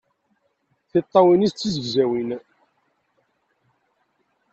Tiṭṭawin-nnes d tizegzawin.